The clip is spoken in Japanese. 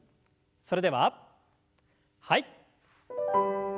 それでははい。